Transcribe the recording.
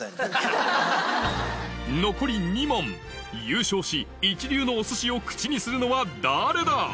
残り２問優勝し一流のお寿司を口にするのは誰だ？